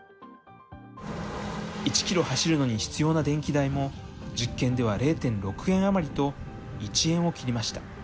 １キロ走るのに必要な電気代も、実験では０．６円余りと、１円を切りました。